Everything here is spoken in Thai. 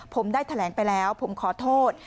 ผมได้แถลงไปแล้วผมขอโทษ